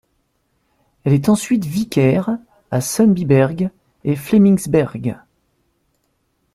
Elle est ensuite vicaire à Sundbyberg et Flemingsberg.